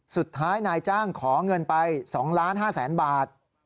สุดท้ายนายจ้างขอเงินไป๒๕๐๐๐๐บาท